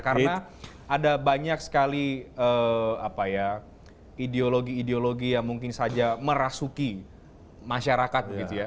karena ada banyak sekali ideologi ideologi yang mungkin saja merasuki masyarakat begitu ya